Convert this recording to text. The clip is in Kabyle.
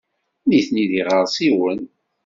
Nitni d iɣersiwen.